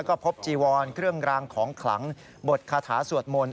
ก็พบจีวรเครื่องรางของขลังบทคาถาสวดมนต์